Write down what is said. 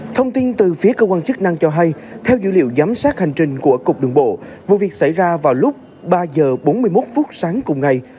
thông tin từ phía cơ quan chức năng cho hay theo dữ liệu giám sát hành trình của cục đường bộ vụ việc xảy ra vào lúc ba h bốn mươi một phút sáng cùng ngày